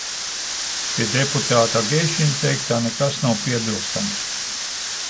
Pie deputāta Agešina teiktā nekas nav piebilstams.